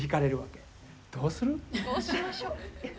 どうしましょう。